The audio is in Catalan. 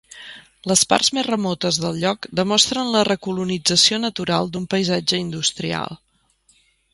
Les parts més remotes del lloc demostren la recolonització natural d'un paisatge industrial.